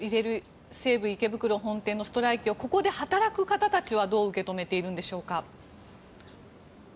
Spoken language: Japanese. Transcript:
西武池袋本店のストライキをここで働く方たちはどう受け止めているんでしょうか？